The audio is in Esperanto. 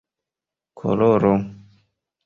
koloro